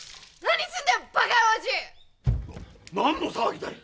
何の騒ぎだい！